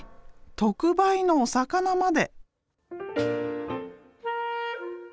特売のお魚まで。